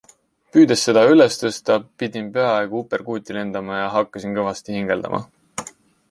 Püüdes seda üles tõsta pidin peaaegu uperkuuti lendama ja hakkasin kõvasti hingeldama.